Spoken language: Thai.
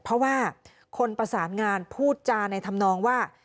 เพราะว่าคนประสานงานพูดจาในธรรมนองว่า